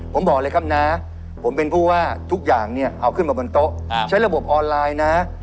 ผมบอกเลยครับนะผมเป็นผู้ว่าทุกอย่างเนี่ยเอาขึ้นมาบนโต๊ะใช้ระบบออนไลน์นะ